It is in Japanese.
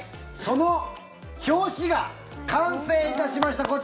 その表紙が完成いたしました。